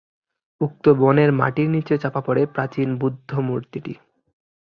উক্ত বনের মাটির নিচে চাপা পড়ে প্রাচীন বুদ্ধমুর্তিটি।